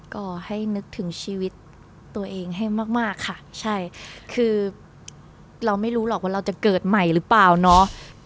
ก็ให้นึกถึงชีวิตตัวเองให้มากค่ะใช่คือเราไม่รู้หรอกว่าเราจะเกิดใหม่หรือเปล่าเนาะ